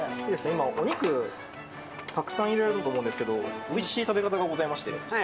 今、お肉、たくさん入れられたと思うんですけど、おいしい食べ方がございまして。